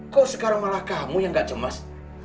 kenapa sekarang malah kamu yang tidak cemas